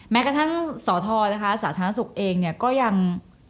แม้กระทั่งสอทนะคะสาธารณสุขเองเนี่ยก็ยัง